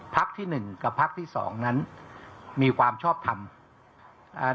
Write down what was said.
พักที่๑กับพักที่๒นั้นมีความชอบทำ